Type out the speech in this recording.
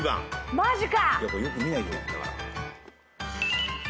マジか！